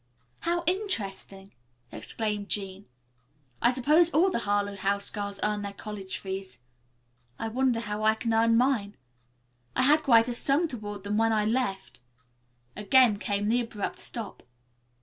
"How interesting!" exclaimed Jean. "I suppose all the Harlowe House girls earn their college fees. I wonder how I can earn mine. I had quite a sum toward them when I left " again came the abrupt stop.